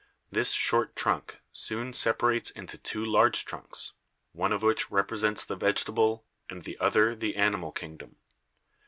This short trunk soon separates into two large trunks, one of which represents the vegetable and the other the animal kingdom.